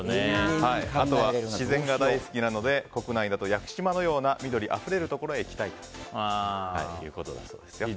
あとは、自然が大好きなので国内だと屋久島のような緑あふれるところへ行きたいということだそうです。